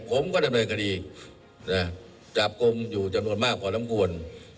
ผมก็ทำเนยกดีจับกรมอยู่จำนวนมากกว่าน้ำกวน